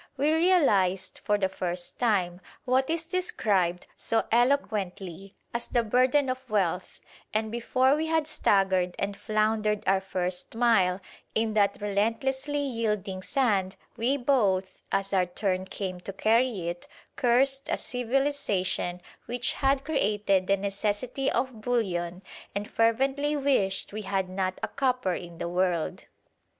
We realised for the first time what is described so eloquently as "the burden of wealth"; and before we had staggered and floundered our first mile in that relentlessly yielding sand we both, as our turn came to carry it, cursed a civilisation which had created the necessity of bullion and fervently wished we had not a copper in the world.